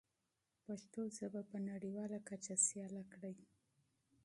پښتو ژبه په نړیواله کچه سیاله کړئ.